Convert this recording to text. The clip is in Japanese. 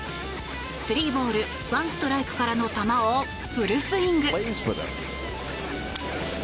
スリーボールワンストライクからの球をフルスイング。